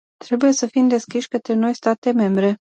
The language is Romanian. Trebuie să fim deschiși către noi state membre.